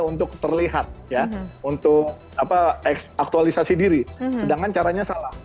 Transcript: media untuk terlihat untuk aktualisasi diri sedangkan caranya salah